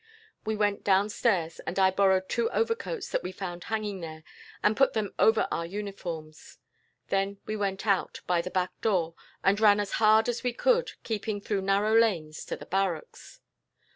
"We went downstairs, and I borrowed two overcoats that we found hanging there, and put them on over our uniforms. Then we went out, by the back door, and ran as hard as we could, keeping through narrow lanes, to the barracks.